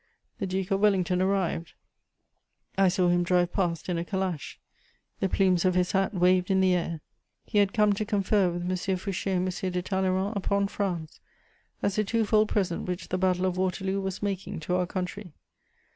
The Duke of Wellington arrived: I saw him drive past in a calash; the plumes of his hat waved in the air; he had come to confer with M. Fouché and M. de Talleyrand upon France, as a twofold present which the Battle of Waterloo was making to our country.